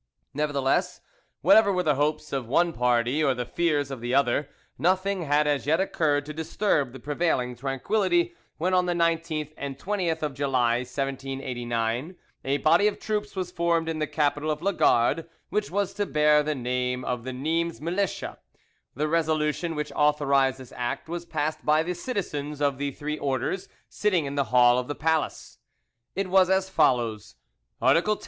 Nevertheless, whatever were the hopes of one party or the fears of the other, nothing had as yet occurred to disturb the prevailing tranquillity, when, on the 19th and 20th of July, 1789, a body of troops was formed in the capital of La Gard which was to bear the name of the Nimes Militia: the resolution which authorised this act was passed by the citizens of the three orders sitting in the hall of the palace. It was as follows:— "Article 10.